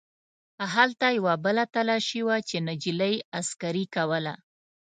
هلته یوه بله تلاشي وه چې نجلۍ عسکرې کوله.